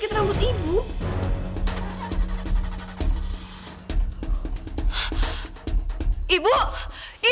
gue mau ketemu sama nyokap